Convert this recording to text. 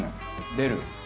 出る。